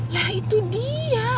lah itu dia